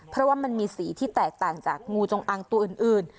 เพราะว่ามันมีสีที่แตกต่างจากงูจงอังตัวอื่น